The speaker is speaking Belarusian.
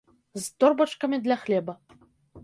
З торбачкамі для хлеба.